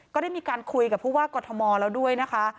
ก็ได้มีการคุยกับผู้ว่ากรทมแล้วด้วยนะคะ